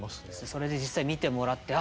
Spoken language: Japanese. それで実際見てもらってあ！